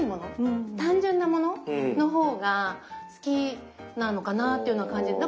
単純なものの方が好きなのかなぁっていうのは感じる。